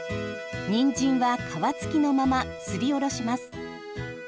にんじんは皮つきのまますりおろします。